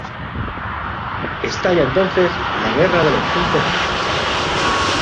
Estalla entonces la Guerra de los Cinco Reyes.